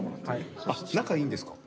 あっ仲いいんですか？